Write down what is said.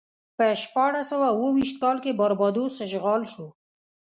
په شپاړس سوه اوه ویشت کال کې باربادوس اشغال شو.